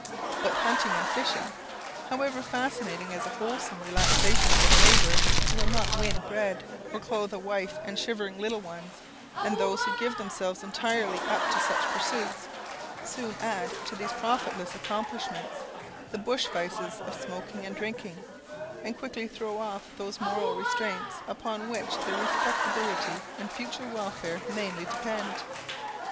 But hunting and fishing, however fascinating as a wholesome relaxation from labour, will not win bread, or clothe a wife and shivering little ones; and those who give themselves entirely up to such pursuits, soon add to these profitless accomplishments the bush vices of smoking and drinking, and quickly throw off those moral restraints upon which their respectability and future welfare mainly depend.